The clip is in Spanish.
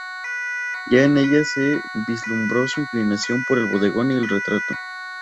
Ya en ella se vislumbró su inclinación por el bodegón y el retrato.